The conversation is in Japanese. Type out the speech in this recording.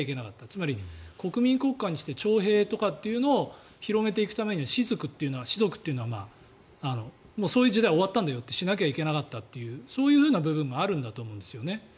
つまり国民国家にして徴兵とかっていうのを広げていくためには士族というのは、そういう時代は終わったんだよってしなければいけなかったってそういう部分もあるんだと思うんですね。